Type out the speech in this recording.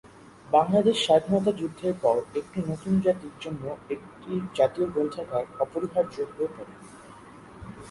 বাংলাদেশের স্বাধীনতা যুদ্ধের পর, একটি নতুন জাতির জন্য একটি জাতীয় গ্রন্থাগার অপরিহার্য হয়ে পড়ে।